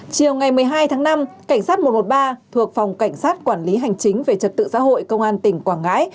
chiều ngày một mươi hai tháng năm cảnh sát một trăm một mươi ba thuộc phòng cảnh sát quản lý hành chính về trật tự xã hội công an tỉnh quảng ngãi